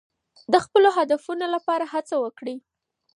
د خپلو هدفونو لپاره هڅه وکړئ.